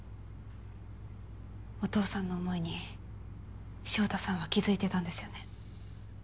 お父さんの想いに潮田さんは気付いてたんですよね。